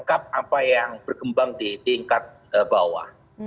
apa yang berkembang di tingkat bawah